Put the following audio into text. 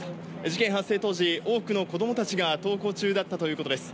事件発生当時、多くの子供たちが登校中だったということです。